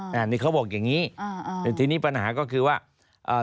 นี่เขาบอกอย่างนี้แต่ทีนี้ปัญหาก็คือว่า